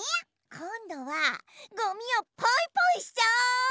こんどはごみをポイポイしちゃおう！